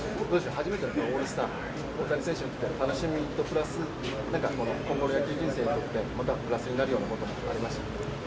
初めてのオールスター大谷選手にとっては楽しみプラス何か今後の野球人生にとってプラスになるようなこともありました？